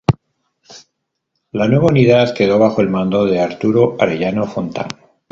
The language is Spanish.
La nueva unidad quedó bajo el mando de Arturo Arellano Fontán.